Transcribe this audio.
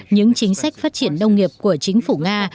những chính sách phát triển nông nghiệp của chính phủ nga